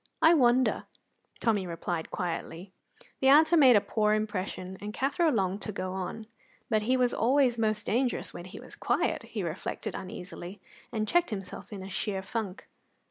"I wonder," Tommy replied quietly. The answer made a poor impression, and Cathro longed to go on. "But he was always most dangerous when he was quiet," he reflected uneasily, and checked himself in sheer funk.